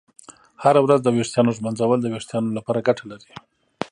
هره ورځ د ویښتانو ږمنځول د ویښتانو لپاره ګټه لري.